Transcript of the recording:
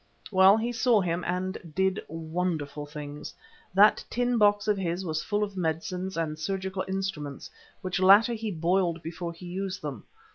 Well, he saw him and did wonderful things. That tin box of his was full of medicines and surgical instruments, which latter he boiled before he used them.